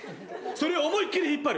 それを思いっきり引っ張る。